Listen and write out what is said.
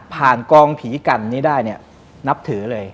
ผ่านกองผีกันนี่ได้นับถือเลย